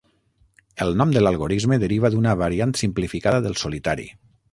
El nom de l'algorisme deriva d'una variant simplificada del solitari.